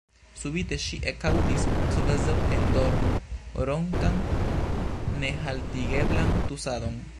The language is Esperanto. Subite ŝi ekaŭdis kvazaŭ en dormo ronkan, nehaltigeblan tusadon.